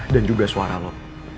dan juga suara lo